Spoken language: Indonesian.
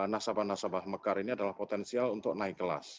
nasabah nasabah mekar ini adalah potensial untuk naik kelas